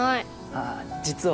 ああ実は。